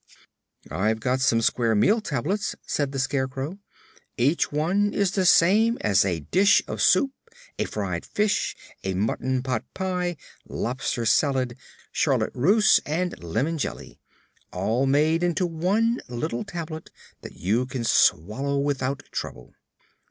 "I've got some Square Meal Tablets," said the Scarecrow. "Each one is the same as a dish of soup, a fried fish, a mutton pot pie, lobster salad, charlotte russe and lemon jelly all made into one little tablet that you can swallow without trouble."